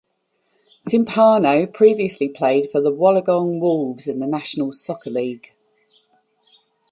Timpano previously played for the Wollongong Wolves in the National Soccer League.